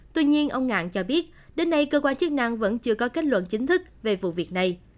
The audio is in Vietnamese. tuy nhiên ông ngạn cho biết đến nay cơ quan chức năng vẫn chưa có kết luận chính thức về vụ việc này